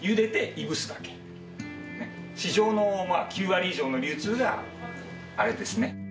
市場の９割以上の流通があれですね。